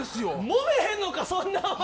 もめへんのかそんなお前。